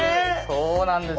そうなんですよ。